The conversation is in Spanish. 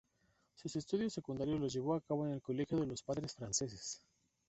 Sus estudios secundarios los llevó a cabo en el Colegio de los Padres Franceses.